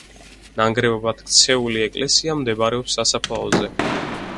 ნანგრევებად ქცეული ეკლესია მდებარეობს სასაფლაოზე.